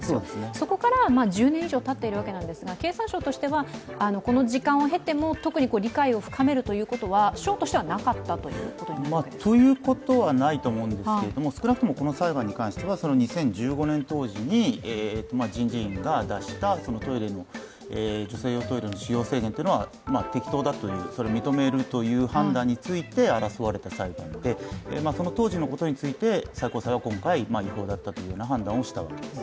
そこから１０年以上たっているわけなんですが、経産省としてはこの時間を経ても特に理解を深めるということは省としてはなかったということになりますか？ということはないと思うんですけれども、少なくともこの裁判に関しては２０１５年当時に人事院が出した女性用トイレの使用制限というのは適当だという、それを認めるという判断について争われた裁判でその当時のことについて最高裁は今回違法だったという判断をしたわけです。